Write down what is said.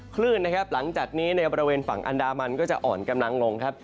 คลื่นนะครับหลังจากนี้ในบริเวณฝั่งอันดามันก็จะอ่อนกำลังลงครับ